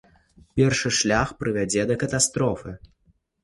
Першы шлях прывядзе да катастрофы.